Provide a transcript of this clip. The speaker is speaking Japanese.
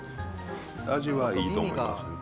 味はいいと思います。